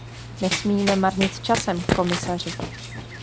Nesmíme marnit časem, komisaři.